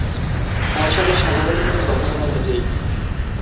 পর্ষদের সভাপতি হলেন গভর্নর নিজেই।